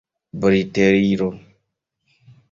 briteliro